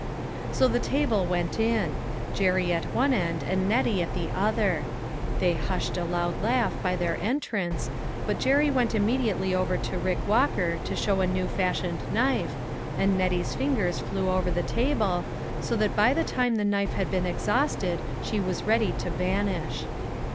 So the table went in ; Jerry at one end, and Nettie at the other. They hushed a loud laugh by their entrance, but Jerry went immediately over to Rick Walker to show a new fashioned knife, and Nettie's fingers flew over the table, so by the time the knife had been exhausted, she was ready to vanish.